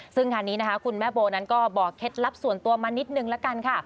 ซึ่งงานนี้นะคะคุณแม่โบนั้นก็บอกเคล็ดลับส่วนตัวมานิดนึงละกันค่ะ